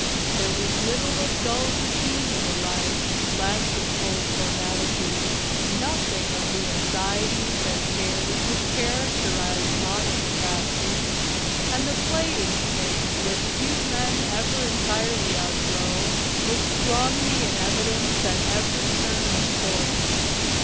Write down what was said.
There was little of dull routine in the life, less of cold formality, nothing of the anxieties and cares which characterize modern practice, and the "play instinct," which few men ever entirely out grow, was strongly in evidence at every term of court.